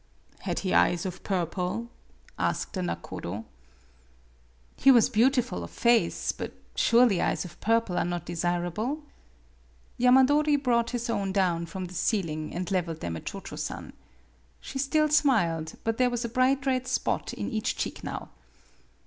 " Had he eyes of purple ?" asked the nakodo. "He was beautiful of face; but surely eyes of purple are not desirable ?" Yama dori brought his own down from the ceiling and leveled them at Cho Cho San. She still smiled, but there was a bright red spot in each cheek now.